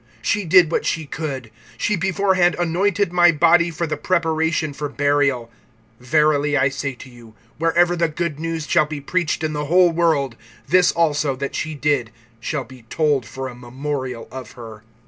(8)She did what she could; she beforehand anointed my body for the preparation for burial. (9)Verily I say to you, wherever the good news shall be preached in the whole world, this also that she did shall be told for a memorial of her.